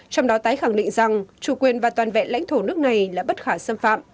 trong đó tái khẳng định rằng chủ quyền và toàn vẹn lãnh thổ nước này là bất khả xâm phạm